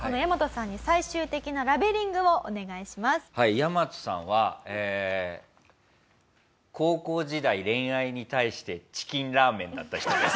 ヤマトさんはええ高校時代恋愛に対してチキンラーメンだった人です。